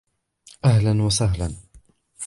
اهلا وسهلا